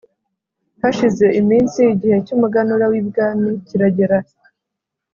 hashize iminsi, igihe cy’umuganura w’ibwami kiragera